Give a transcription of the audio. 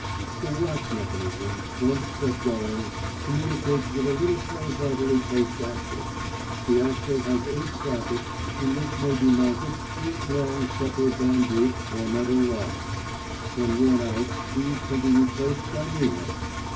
"The watch mechanism, once set going, communicates with a little horizontally placed axle. The axle has eight sockets in which may be mounted eight long supple bamboo or metal rods. When worn out these can be replaced by new ones.